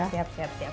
oke siap siap siap